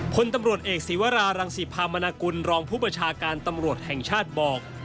คนตำรวจเอกศีวรารังศิพามนากุลรองผู้ประชาการตำรวจแห่งชาติบอก